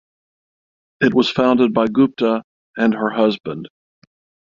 It was founded by Gupta and her husband.